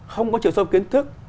không có chiều sâu kiến thức